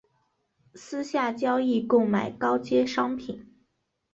私下交易购买高阶商品